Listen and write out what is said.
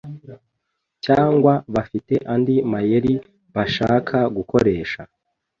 cyangwa bafite andi mayeri bashaka gukoresha